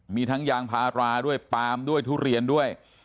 มีทั้งยางพาราด้วยปาล์มด้วยทุเรียนด้วย